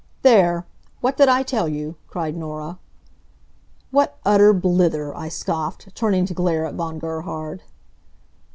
"There! What did I tell you!" cried Norah. "What utter blither!" I scoffed, turning to glare at Von Gerhard.